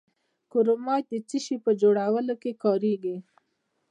کرومایټ د څه شي په جوړولو کې کاریږي؟